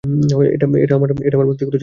এটা আমার ব্যক্তিগত চিন্তাধারা।